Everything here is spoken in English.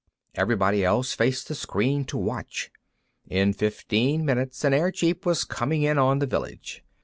Everybody else faced the screen to watch. In fifteen minutes, an airjeep was coming in on the village.